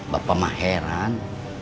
bapak mah heran